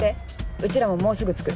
うちらももうすぐ着く。